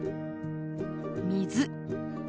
「水」。